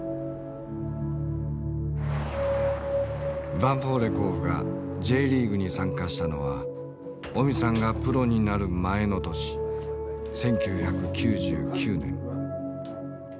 ヴァンフォーレ甲府がＪリーグに参加したのはオミさんがプロになる前の年１９９９年。